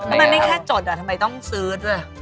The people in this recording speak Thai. แล้วมันไม่แค่จดอ่ะทำไมต้องซื้อด้วย